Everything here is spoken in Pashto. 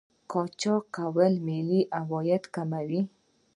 قاچاق کول ملي عواید کموي.